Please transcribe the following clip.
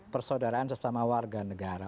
persaudaraan sesama warga negara